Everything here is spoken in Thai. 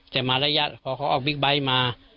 แต่มาระยะพอเขาออกบิ๊กไบท์มา